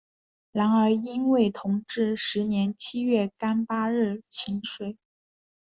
然而因为同治十年七月廿八日请水。